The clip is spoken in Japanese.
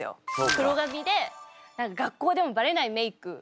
黒髪で学校でもバレないメークとか。